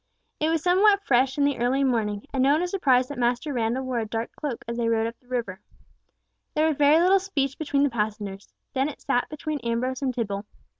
It was somewhat fresh in the very early morning, and no one was surprised that Master Randall wore a large dark cloak as they rowed up the river. There was very little speech between the passengers; Dennet sat between Ambrose and Tibble.